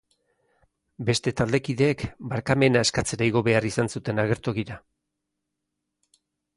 Beste taldekideek barkamena eskatzera igo behar izan zuten agertokira.